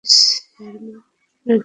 আপনার জিনিস দিয়ে দিলাম, রজ!